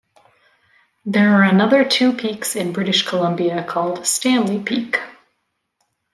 There are another two peaks in British Columbia called Stanley Peak.